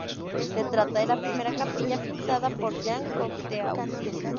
Se trata de la primera capilla pintada por Jean Cocteau.